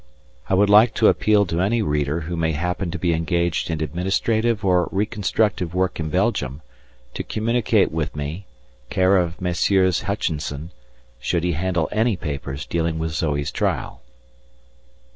I would like to appeal to any reader who may happen to be engaged in administrative or reconstructive work in Belgium, to communicate with me, care of Messrs. Hutchinson, should he handle any papers dealing with Zoe's trial.